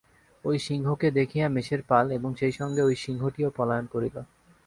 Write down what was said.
ঐ সিংহকে দেখিয়া মেষের পাল এবং সেই সঙ্গে ঐ সিংহটিও পলায়ন করিল।